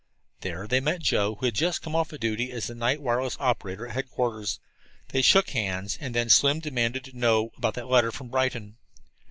There they met Joe, who had just come off duty as night wireless operator at headquarters. They shook hands, and then Slim demanded to know about that letter from Brighton.